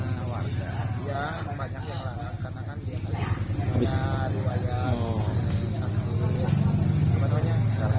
karena warga dia banyak yang melahirkan anak anak